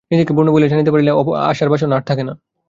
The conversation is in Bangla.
নিজেকে পূর্ণ বলিয়া জানিতে পারিলে অসার বাসনা আর থাকে না।